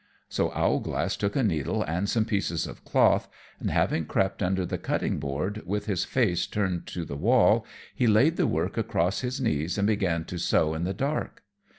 So Owlglass took a needle and some pieces of cloth, and having crept under the cutting board, with his face turned to the wall, he laid the work across his knees and began to sew in the dark.